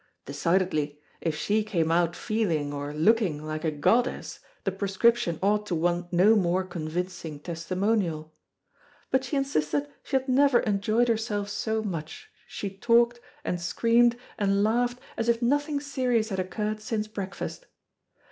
Decidedly, if she came out feeling or looking like a goddess, the prescription ought to want no more convincing testimonial. But she insisted she had never enjoyed herself so much, she talked, and screamed, and laughed as if nothing serious had occurred since breakfast.